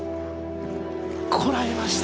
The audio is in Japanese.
こらえました！